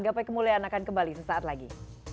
gapai kemuliaan akan kembali sesaat lagi